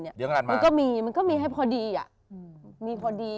เดี๋ยวงานมามันก็มีมันก็มีให้พอดีอ่ะมีพอดี